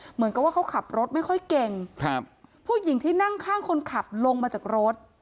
เหมือนกับว่าเขาขับรถไม่ค่อยเก่งครับผู้หญิงที่นั่งข้างคนขับลงมาจากรถ